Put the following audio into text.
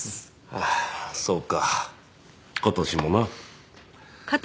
ああそうか今年もな。